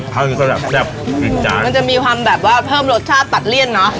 ข้าวนี้ก็แบบแซ่บจริงจังมันจะมีความแบบว่าเพิ่มรสชาติตัดเลี่ยนเนอะ